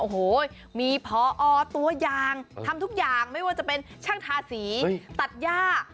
โอ้โหมีพอตัวยางทำทุกอย่างไม่ว่าจะเป็นช่างทาสีตัดย่า